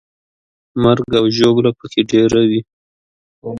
مرګ او ژوبله به پکې ډېره وي.